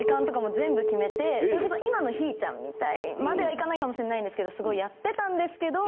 それこそ今のひぃちゃんみたいまではいかないかもしんないんですけどすごいやってたんですけど。